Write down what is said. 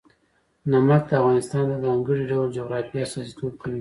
نمک د افغانستان د ځانګړي ډول جغرافیه استازیتوب کوي.